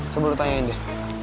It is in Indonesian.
coba lu tanyain deh